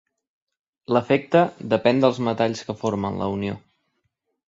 L'efecte depèn dels metalls que formen la unió.